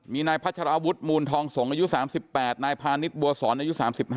มีนายพัชราวุฒิมูลทองสงฆ์อายุ๓๘นายพาณิชย์บัวสอนอายุ๓๕